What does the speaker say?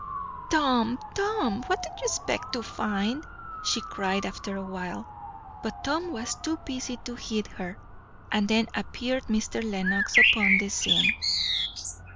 "Tom Tom! what do you expect to find?" she cried after awhile. But Tom was too busy to heed her. And then appeared Mr. Lenox upon the scene.